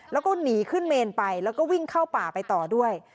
แล้วก็หนีขึ้นเมนไปแล้วก็วิ่งเข้าป่าไปต่อด้วย